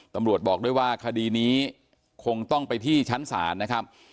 ตำรวจบอกด้วยว่าคดีนี้คงต้องไปที่ชั้นศาลนะครับ